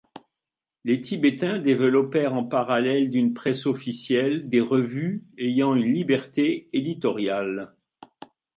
Les Tibétains développèrent en parallèle d’une presse officielle des revues ayant une liberté éditoriale.